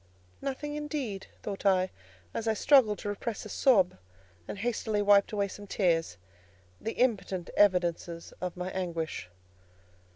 "Nothing, indeed," thought I, as I struggled to repress a sob, and hastily wiped away some tears, the impotent evidences of my anguish.